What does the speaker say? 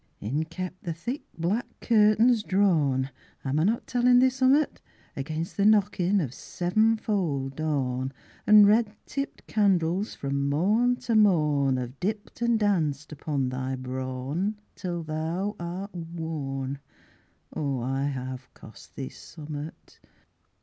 In kep the thick black curtains drawn, Am I not tellin' thee summat? Against the knockin' of sevenfold dawn, An' red tipped candles from morn to morn Have dipped an' danced upon thy brawn Till thou art worn Oh, I have cost thee summat.